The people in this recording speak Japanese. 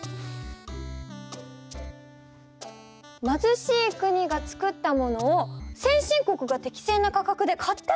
まずしい国がつくったものを先進国が適正な価格で買ってあげればいいんじゃない？